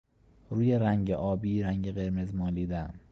روی رنگ آبی رنگ قرمز مالیدن